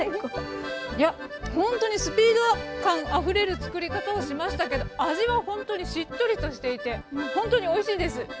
いやほんとにスピード感あふれる作り方をしましたけど味はほんとにしっとりとしていてほんとにおいしいです。